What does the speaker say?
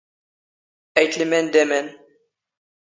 ⴰⵢⵜ ⵍⵎⴰⵏ ⴷ ⴰⵎⴰⵏ